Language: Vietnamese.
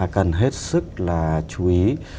cần hết sức là chú ý